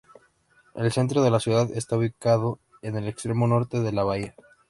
El centro de la ciudad está ubicado en el extremo norte de la bahía.